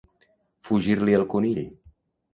Fugir-li el conill.